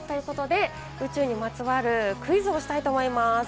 宇宙にまつわるクイズをしたいと思います。